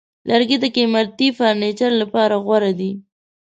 لرګی د قیمتي فرنیچر لپاره غوره دی.